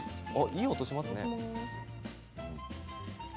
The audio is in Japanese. いい音、しますね。